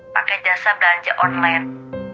pakai jasa belanja online